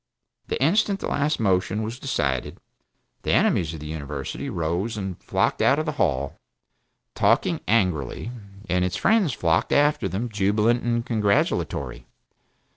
The instant the last motion was decided, the enemies of the University rose and flocked out of the Hall, talking angrily, and its friends flocked after them jubilant and congratulatory.